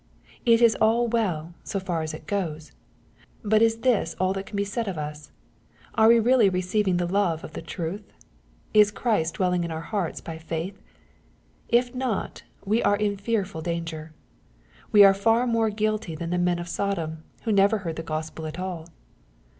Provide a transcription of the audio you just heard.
It is aU well, so far as it goes. But is this all that can be said of us ? Are we really receiving the love of the truth ? Is Christ dwelling in our hearts by faith ? If not, we are in fearful danger. We are far more guilty than the men of Sodom, who never heard the Gospe l at all.